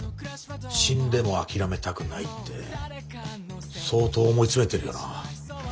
「死んでも諦めたくない」って相当思い詰めてるよな。